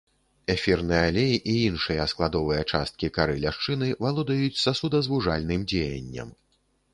Эфірны алей і іншыя складовыя часткі кары ляшчыны валодаюць сасудазвужальным дзеяннем.